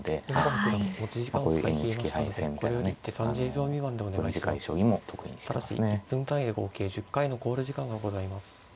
１分単位で合計１０回の考慮時間がございます。